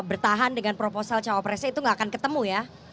bertahan dengan proposal cawapresnya itu nggak akan ketemu ya